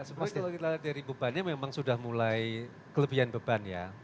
sebenarnya kalau kita lihat dari bebannya memang sudah mulai kelebihan beban ya